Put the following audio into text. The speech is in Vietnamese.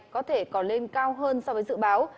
có thể có lên cao hơn so với dự báo